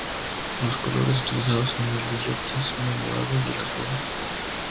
Los colores utilizados en el billete son el morado y el azul.